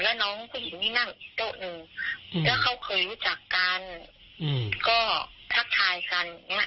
แล้วน้องผู้หญิงนี่นั่งอีกโต๊ะหนึ่งแล้วเขาเคยรู้จักกันอืมก็ทักทายกันอย่างเงี้